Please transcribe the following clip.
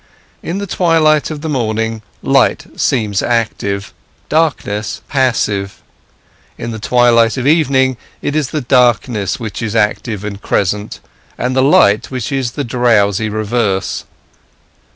In the twilight of the morning, light seems active, darkness passive; in the twilight of evening it is the darkness which is active and crescent, and the light which is the drowsy reverse.